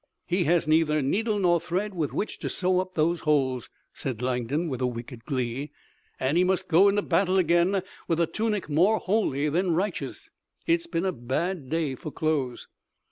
"He has neither needle nor thread with which to sew up those holes," said Langdon, with wicked glee, "and he must go into battle again with a tunic more holy than righteous. It's been a bad day for clothes."